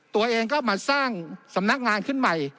ตัวเองก็มาสร้างสำนักงานขึ้นใหม่